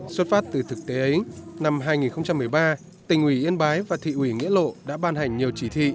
xuất phát từ thực tế ấy năm hai nghìn một mươi ba tỉnh ủy yên bái và thị ủy nghĩa lộ đã ban hành nhiều chỉ thị